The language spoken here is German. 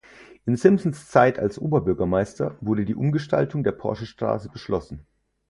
In Simsons Zeit als Oberbürgermeister wurde die Umgestaltung der Porschestraße beschlossen.